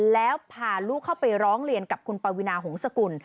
แล้วพาลูกเข้าไปร้องเรียนกับคุณปวินาหงษกุล